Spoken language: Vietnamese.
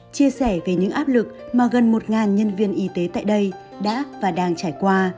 chia sẻ về những áp lực mà gần một nhân viên y tế tại đây đã và đang trải qua